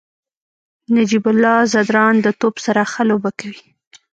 نجیب الله زدران د توپ سره ښه لوبه کوي.